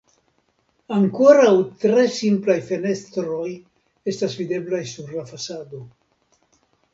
Ankoraŭ tre simplaj fenestroj estas videblaj sur la fasado.